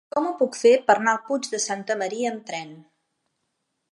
Com ho puc fer per anar al Puig de Santa Maria amb tren?